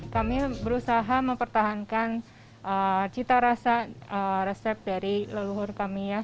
kami berusaha mempertahankan cita rasa resep dari leluhur kami ya